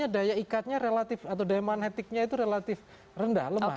daya ikatnya relatif atau daya magnetiknya itu relatif rendah lemah